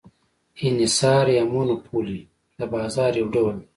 انحصار یا monopoly د بازار یو ډول دی.